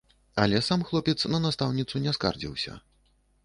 Але сам хлопец на настаўніцу не скардзіўся.